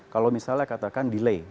kalau misalnya katakan delay